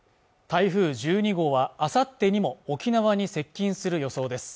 台風１２号はあさってにも沖縄に接近する予想です